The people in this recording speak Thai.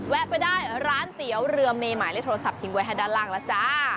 ไปได้ร้านเตี๋ยวเรือเมหมายเลขโทรศัพท์ทิ้งไว้ให้ด้านล่างแล้วจ้า